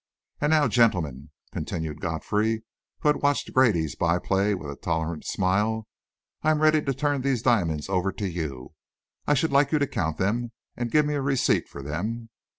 "And now, gentlemen," continued Godfrey, who had watched Grady's byplay with a tolerant smile, "I am ready to turn these diamonds over to you. I should like you to count them, and give me a receipt for them."